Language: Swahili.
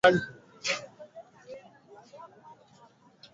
Maman anaenda shota mayi asema twende tu nyangule